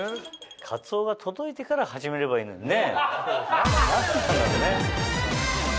かつおが届いてから始めればいいのにね。